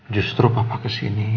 justru papa kesini